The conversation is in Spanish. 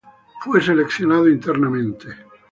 Fue seleccionado internamente.